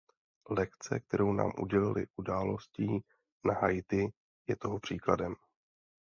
Lekce, kterou nám udělily událostí na Haiti, je toho příkladem.